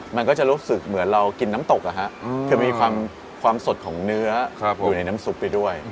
มันก็จะรู้สึกเหมือนเรากินน้ำตกคือมีความสดของเนื้ออยู่ในน้ำซุปไปด้วย